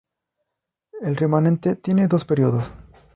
El Remanente tiene dos períodos.